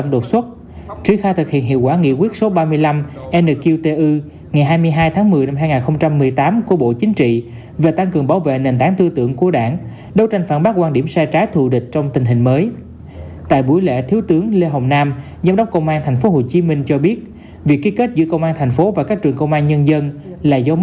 đến nay chưa đạt được hiệu quả với nhiều lý do khác nhau